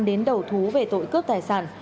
đến đầu thú về tội cướp tài sản